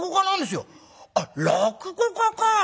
「あっ落語家か。